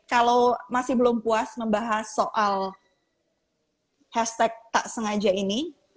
kalau masih belum puas membahas soal hashtag tak sengaja ini